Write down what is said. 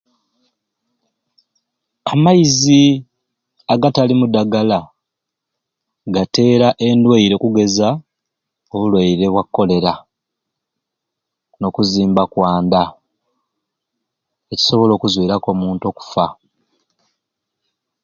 Amaizi agatalimu ddagala gateera endwaire okugeza obulwaire bwa cholera n'okuzimba kwa nda ekisobola okuzwiraku omuntu okufa